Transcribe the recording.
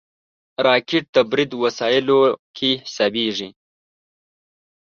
راکټ د برید وسایلو کې حسابېږي